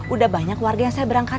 udah banyak warga yang saya berangkat